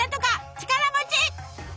力持ち！